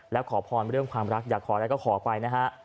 แล้วขอพรเรื่องความรักอยากขออะไรก็ขอไปนะฮะ